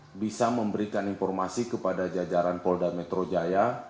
untuk bisa memberikan informasi kepada jajaran polda metro jaya